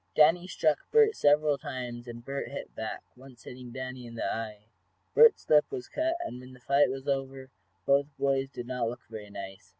Danny struck Bert several times, and Bert hit back, once hitting Danny in the eye. Bert's lip was cut, and when the fight was over both boys did not look very nice.